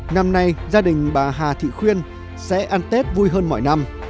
năm nay gia đình bà hà thị khuyên sẽ ăn tết vui hơn mọi năm